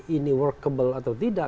ini workable atau tidak